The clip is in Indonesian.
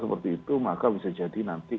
seperti itu maka bisa jadi nanti